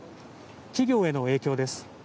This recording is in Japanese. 企業への影響です。